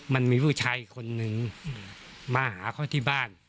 มันมีผู้ชายอีกคนนึงมาหาเขาที่บ้าน